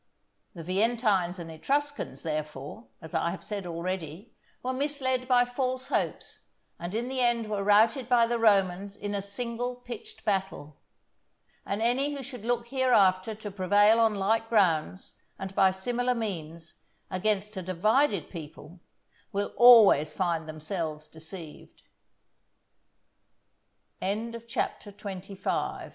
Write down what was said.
The Veientines and Etruscans, therefore, as I have said already, were misled by false hopes, and in the end were routed by the Romans in a single pitched battle; and any who should look hereafter to prevail on like grounds and by similar means against a divided people, will always find themselves deceived. CHAPTER XXVI.—_That Ta